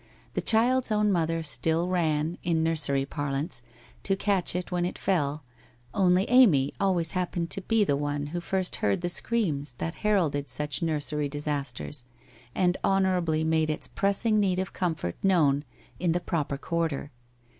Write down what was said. The child's own mother still ran, in nursery parlance, to catch it when it fell, only Amy always happened to be the one who first heard the screams that heralded such nursery dis asters, and honourably made its pressing need of comfort known in the proper quarter.